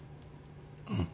うん。